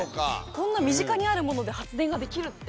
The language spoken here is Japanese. こんな身近にあるもので発電ができるって。